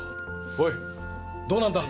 おいどうなんだ？